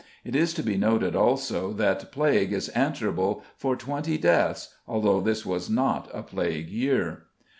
It is to be noted also that plague is answerable for 20 deaths, although this was not a plague year.